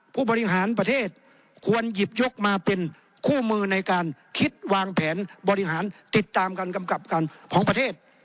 ผู้บริหารประเทศควรหยิบยกมาเป็นคู่มือในการคิดวางแผนบริหารติดตามการกำกับการของประเทศ